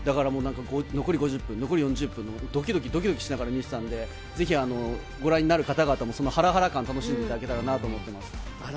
残り５０分、残り４０分とドキドキしながら見ていたので、ぜひご覧になる方々もそのハラハラ感を楽しんでいただけたらなと思います。